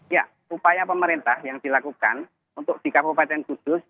ya upaya pemerintah yang dilakukan untuk di kabupaten kudus